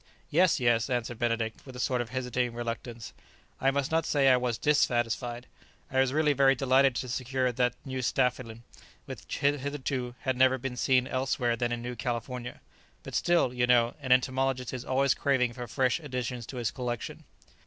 "Yes, yes," answered Benedict, with a sort of hesitating reluctance; "I must not say I was dissatisfied; I was really very delighted to secure that new staphylin which hitherto had never been seen elsewhere than in New California; but still, you know, an entomologist is always craving for fresh additions to his collection."